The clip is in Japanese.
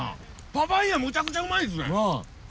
パパイヤむちゃくちゃうまいですね！